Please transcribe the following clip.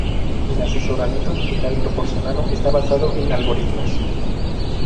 El asesoramiento digital proporcionado está basado en algoritmos.